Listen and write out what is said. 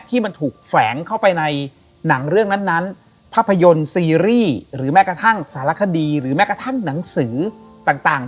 ที่มันถูกแฝงเข้าไปในหนังเรื่องนั้นภาพยนตร์ซีรีส์หรือแม้กระทั่งสารคดีหรือแม้กระทั่งหนังสือต่าง